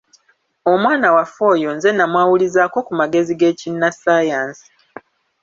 Omwana waffe oyo nze namwawulizaako ku magezi g'ekinnassaayansi!